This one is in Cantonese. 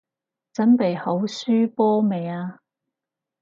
準備好輸波未啊？